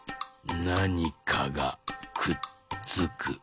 なにかがくっつく。